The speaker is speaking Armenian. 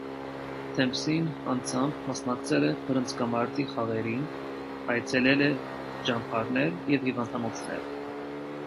Դեմփսին անձամբ մասնակցել է բռնցքամարտի խաղերին, այցելել է ճամբարներ և հիվանդանոցներ։